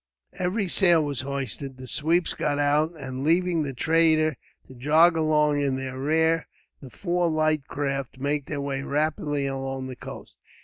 Every sail was hoisted, the sweeps got out and, leaving the trader to jog along in their rear, the four light craft made their way rapidly along the coast.